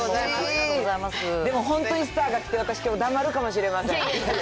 でも、本当にスターが来て、私、きょう、黙るかもしれません。